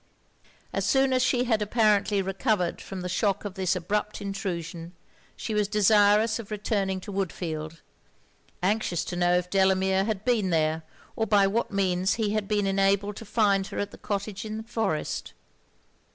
As soon as she had apparently recovered from the shock of this abrupt intrusion, she was desirous of returning to Woodfield; anxious to know if Delamere had been there, or by what means he had been enabled to find her at the cottage in the forest.